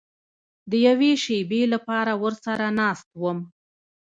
د یوې شېبې لپاره ورسره ناست وم.